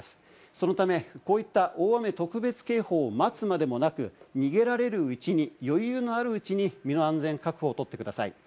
そのためこういった大雨特別警報を待つまでもなく、逃げられるうちに余裕のあるうちに身の安全確保をとってください。